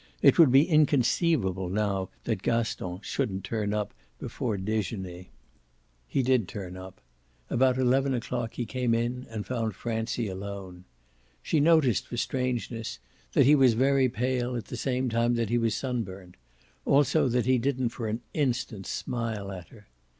It would be inconceivable now that Gaston shouldn't turn up before dejeuner. He did turn up; about eleven o'clock he came in and found Francie alone. She noticed, for strangeness, that he was very pale at the same time that he was sunburnt; also that he didn't for an instant smile at her.